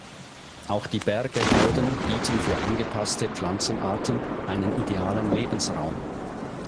Auch die Bergehalden bieten für angepasste Pflanzenarten einen Idealen Lebensraum.